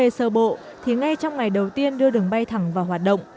quốc gia sơ bộ thì ngay trong ngày đầu tiên đưa đường bay thẳng vào hoạt động